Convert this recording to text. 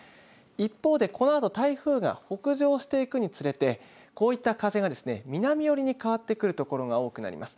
一方で、このあと台風が北上していくにつれてこういった風がですね南寄りに変わってくるところが多くなってきます。